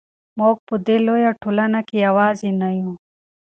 موږ په دې لویه ټولنه کې یوازې نه یو.